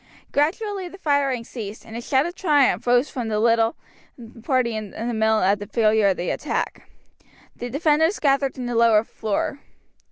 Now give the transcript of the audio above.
Gradually the firing ceased, and a shout of triumph rose from the little party in the mill at the failure of the attack. The defenders gathered in the lower floor.